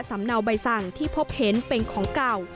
เนาใบสั่งที่พบเห็นเป็นของเก่า